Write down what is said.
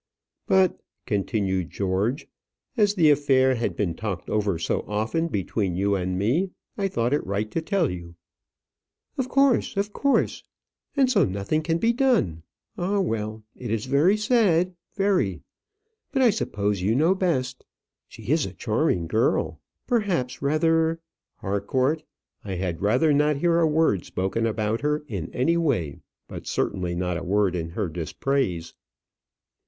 "But," continued George, "as the affair had been talked over so often between you and me, I thought it right to tell you." "Of course of course; and so nothing can be done. Ah, well! it is very sad, very. But I suppose you know best. She is a charming girl. Perhaps, rather " "Harcourt, I had rather not hear a word spoken about her in any way; but certainly not a word in her dispraise."